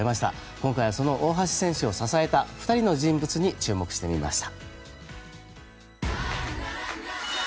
今回はその大橋選手を支えた２人の人物に注目してみました。